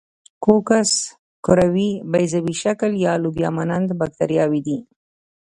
کوکس کروي، بیضوي شکل یا لوبیا مانند باکتریاوې دي.